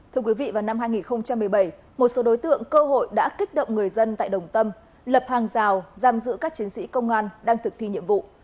thưa quý vị vào năm hai nghìn một mươi bảy một số đối tượng cơ hội đã kích động người dân tại đồng tâm lập hàng rào giam giữ các chiến sĩ công an đang thực thi nhiệm vụ